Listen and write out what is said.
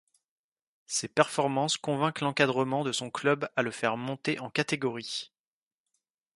Ces performances convainquent l'encadrement de son club à le faire monter en catégorie.